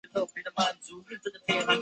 私人地方的一边有喷水池。